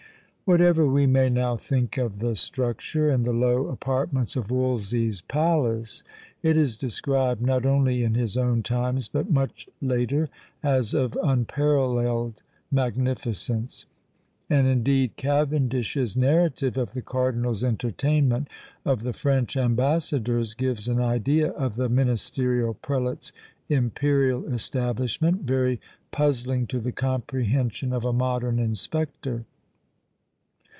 Whatever we may now think of the structure, and the low apartments of Wolsey's PALACE, it is described not only in his own times, but much later, as of unparalleled magnificence; and indeed Cavendish's narrative of the Cardinal's entertainment of the French ambassadors gives an idea of the ministerial prelate's imperial establishment very puzzling to the comprehension of a modern inspector.